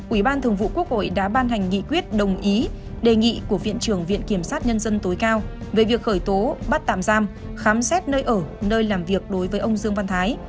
ủy ban thường vụ quốc hội đã ban hành nghị quyết đồng ý đề nghị của viện trưởng viện kiểm sát nhân dân tối cao về việc khởi tố bắt tạm giam khám xét nơi ở nơi làm việc đối với ông dương văn thái